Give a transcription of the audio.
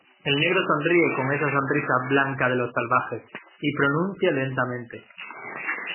el negro sonríe con esa sonrisa blanca de los salvajes, y pronuncia lentamente ,